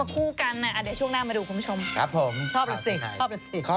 ฟันแฟนกลับก็ลุ้นกันมากเลยไงถึงชอบเถอะ